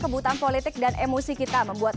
kebutuhan politik dan emosi kita membuat